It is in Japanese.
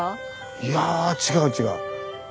いや違う違う。